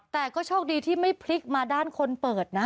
แต่ก็โชคดีที่ไม่พลิกมาด้านคนเปิดนะ